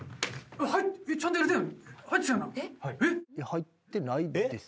入ってないです。